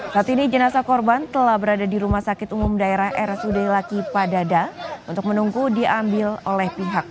saat ini jenazah korban telah berada di rumah sakit umum daerah rsud laki padada untuk menunggu diambil oleh pihak